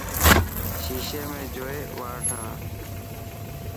شيشي ۾ جوئي واڙ ٺاهه.